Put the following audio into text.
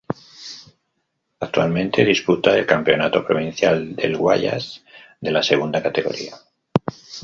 Actualmente disputa el campeonato provincial del Guayas de la Segunda Categoría.